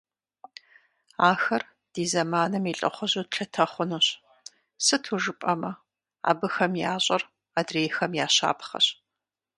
Ахэр ди зэманым и лӏыхъужьу тлъытэ хъунущ, сыту жыпӏэмэ, абыхэм ящӏэр адрейхэм я щапхъэщ.